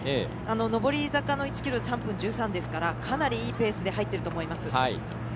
上り坂の１ｋｍ３分１３ですからかなりいいペースで入っていると思います。